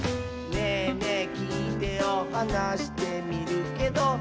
「『ねぇねぇきいてよ』はなしてみるけど」